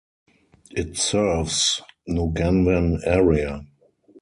It serves Nauganwan area.